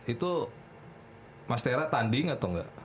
itu mas tera tanding atau enggak